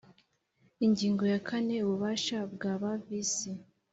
Ingingo ya kane Ubabasha bwa ba Visi